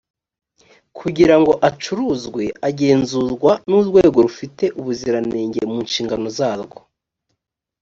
kugira ngo acuruzwe agenzurwa n urwego rufite ubuziranenge munshingano zarwo